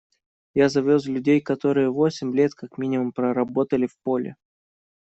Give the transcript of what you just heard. Я завез людей, которые восемь лет как минимум проработали в поле.